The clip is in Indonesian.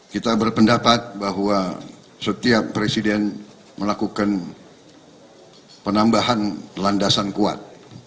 kita berpendapat bahwa setiap presiden melakukan penambahan landasan kuat